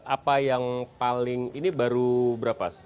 apa yang paling ini baru berapa